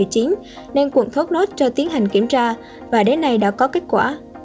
giúp quận thốt nốt cho tiến hành kiểm tra và đến nay đã có kết quả